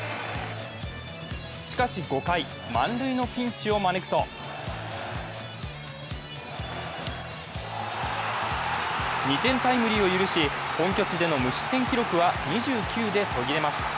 しかし５回、満塁のピンチを招くと２点タイムリーを許し本拠地での無失点記録は２９で途切れます。